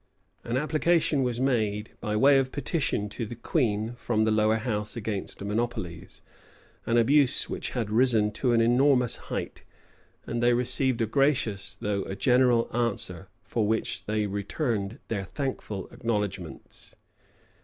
[] An application was made, by way of petition, to the queen from the lower house, against monopolies; an abuse which had risen to an enormous height; and they received a gracious though a general answer; for which they returned their thankful acknowledgments.